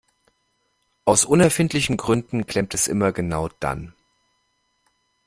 Aus unerfindlichen Gründen klemmt es immer genau dann.